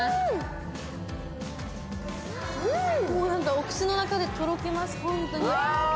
お口の中でとろけますホントに。